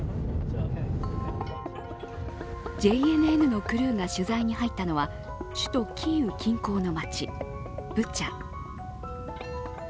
ＪＮＮのクルーが取材に入ったのは首都キーウ近郊の街ブチャ。